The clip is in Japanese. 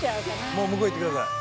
もう向こう行って下さい。